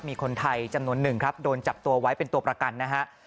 มีคนไทยจำนวนหนึ่งครับโดนจับตัวไว้เป็นตัวประกันนะฮะ